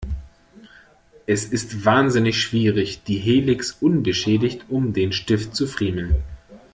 Es ist wahnsinnig schwierig, die Helix unbeschädigt um den Stift zu friemeln.